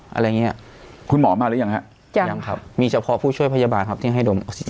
อะไรอย่างเงี้ยคุณหมอมาหรือยังฮะยังยังครับมีเฉพาะผู้ช่วยพยาบาลครับที่ให้ดมออกซิเจ